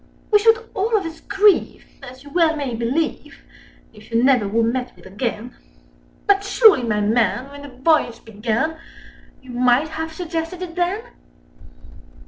"We should all of us grieve, as you well may believe, Â Â Â Â If you never were met with again— But surely, my man, when the voyage began, Â Â Â Â You might have suggested it then?